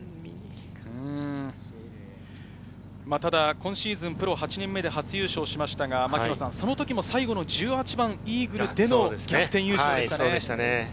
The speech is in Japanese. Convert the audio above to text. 今シーズン、プロ８年目で初優勝しましたがその時も最後の１８番、イーグルでの逆転優勝でしたね。